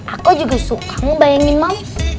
aku juga suka ngebayangin mams